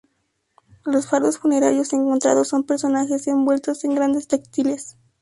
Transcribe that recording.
Los fardos funerarios encontrados son personajes envueltos en grandes textiles.